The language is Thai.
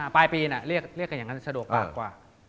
ปลายปีน่ะเรียกอย่างนั้นสะดวกกว่า